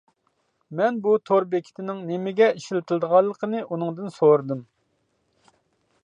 مەن بۇ تور بېكىتىنىڭ نېمىگە ئىشلىتىلىدىغانلىقىنى ئۇنىڭدىن سورىدىم.